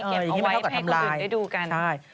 เก็บเอาไว้ให้กูดูกัน